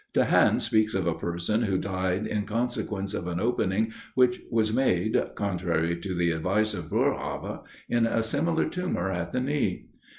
De Haen speaks of a person who died in consequence of an opening which was made, contrary to the advice of Boerhaave in a similar tumor at the knee.